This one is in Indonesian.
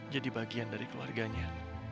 jadi bagian dari keluarganya